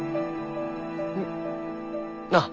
うん？ああ。